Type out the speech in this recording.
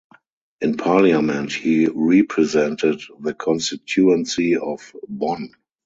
In Parliament he represented the constituency of Bonn.